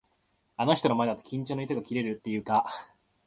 あの人の前だと、緊張の糸が切れるっていうか。